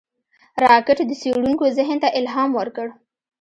راکټ د څېړونکو ذهن ته الهام ورکړ